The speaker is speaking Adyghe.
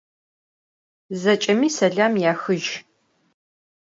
Zeç'eme selam yaxıj.